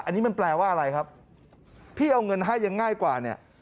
อันนี้มันแปลว่าอะไรครับพี่เอาเงินให้ยังง่ายกว่าเนี่ย